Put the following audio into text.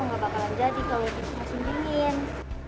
nggak bakalan jadi kalau musim dingin